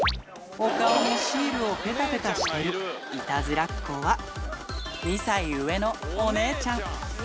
お顔にシールをぺたぺたしているいたずらっ子は、２歳上のお姉ちゃん。